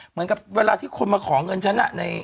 เหมือนกับเวลาที่คนมาขอเงินฉัน